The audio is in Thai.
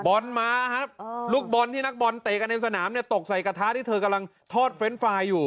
บอลมาครับลูกบอลที่นักบอลเตะกันในสนามเนี่ยตกใส่กระทะที่เธอกำลังทอดเฟรนด์ไฟล์อยู่